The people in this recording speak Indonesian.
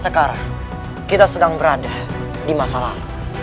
sekarang kita sedang berada di masa lalu